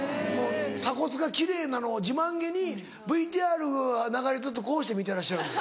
鎖骨が奇麗なのを自慢げにＶＴＲが流れてるとこうして見てらっしゃるんです。